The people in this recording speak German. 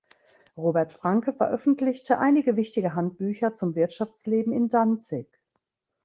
Robert Franke veröffentlichte einige wichtige Handbücher zum Wirtschaftsleben in Danzig.